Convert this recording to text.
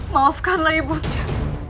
maafkanlah ibu dia